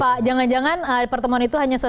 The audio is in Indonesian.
apa jangan jangan pertemuan itu hanya sesuatu